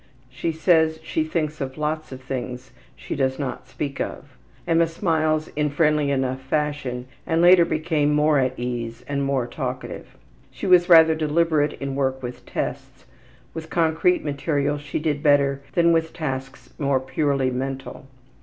She says she thinks of lots of things she does not speak of. Emma smiles in friendly enough fashion, and later became more at ease, and more talkative. She was rather deliberate in work with tests. With concrete material she did better than with tasks more purely mental.